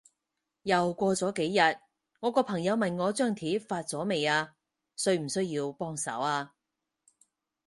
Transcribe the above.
又過咗幾日，我個朋友問我張貼發咗未啊？需唔需要幫手啊？